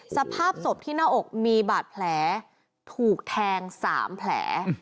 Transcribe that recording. สภาพศพที่หน้าอกมีบาดแผลถูกแทง๓แผล